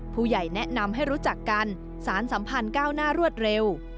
ผู้ใหญ่แนะนำให้รู้จักกันสารสัมพันธ์ก้าวหน้ารวดเร็ว